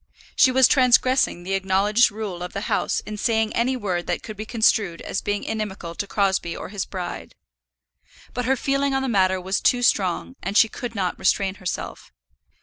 She was transgressing the acknowledged rule of the house in saying any word that could be construed as being inimical to Crosbie or his bride. But her feeling on the matter was too strong, and she could not restrain herself.